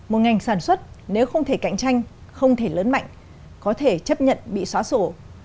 một ngành sản xuất nếu không thể cạnh tranh không thể lớn mạnh có thể chấp nhận bị xóa sổ